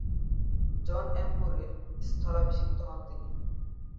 জন এম্বুরি’র স্থলাভিষিক্ত হন তিনি।